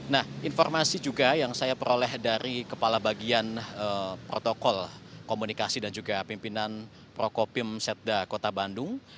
nah informasi juga yang saya peroleh dari kepala bagian protokol komunikasi dan juga pimpinan prokopim setda kota bandung